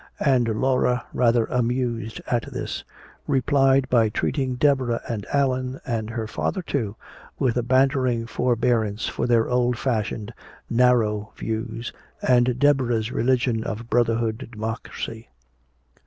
And Laura, rather amused at this, replied by treating Deborah and Allan and her father, too, with a bantering forbearance for their old fashioned, narrow views and Deborah's religion of brotherhood, democracy.